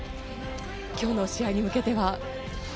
今日の試合に向けては。